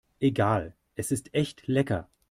Egal, es ist echt lecker.